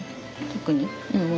特に？